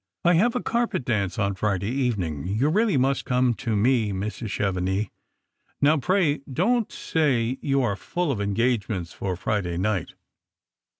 " I have a carpet dance on Friday evening ; you really must come to me, Mrs. Chevenix. Now pray don't say you are full of en gagements for Friday night."